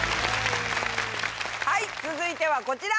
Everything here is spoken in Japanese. はい続いてはこちら。